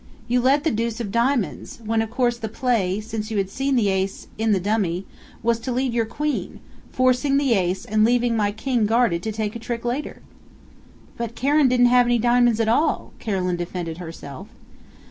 You led the deuce of Diamonds, when of course the play, since you had seen the Ace in the dummy, was to lead your Queen, forcing the Ace and leaving my King guarded to take a trick later." "But Karen didn't have any Diamonds at all," Carolyn defended herself.